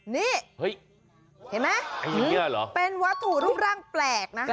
นี่เห็นไหมเป็นวัตถุรูปร่างแปลกนะคะ